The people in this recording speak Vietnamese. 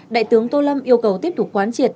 đại tướng tô lâm yêu cầu tiếp tục quán triệt